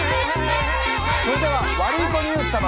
それではワルイコニュース様。